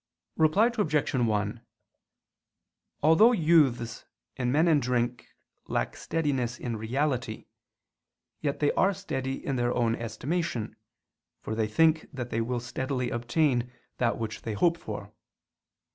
Reply Obj. 1: Although youths and men in drink lack steadiness in reality, yet they are steady in their own estimation, for they think that they will steadily obtain that which they hope for.